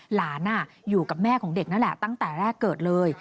หลานอยู่กับแม่ของเด็กนั่นแหละตั้งแต่แรกเกิดเลย